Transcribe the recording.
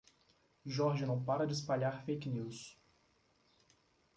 Jorge não para de espalhar fake news